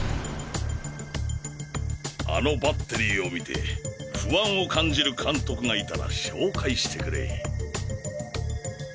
あのバッテリーを見て不安を感じる監督がいたら紹介してくれ。